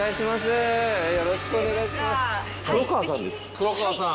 黒川さん